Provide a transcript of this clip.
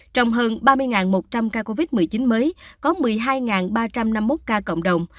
trong hơn ba mươi một trăm linh ca covid một mươi chín mới có một mươi hai ba trăm năm mươi một ca cộng đồng